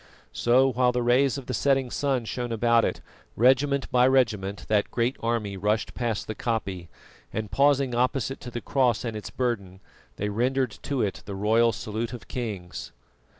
So, while the rays of the setting sun shone about it, regiment by regiment that great army rushed past the koppie, and pausing opposite to the cross and its burden, they rendered to it the royal salute of kings.